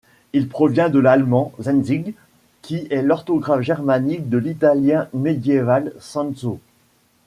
Il provient de l'allemand, zenzic, qui est l'orthographe germanique de l'italien médiéval censo.